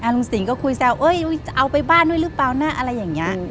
ลุงสิงก็คุยแซวเอาไปบ้านด้วยหรือเปล่านะอะไรอย่างนี้